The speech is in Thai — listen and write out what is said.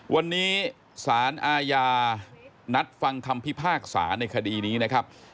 วันนี้สารอาญานัดฟังคำพิพากษาในคดีนี้นะครับ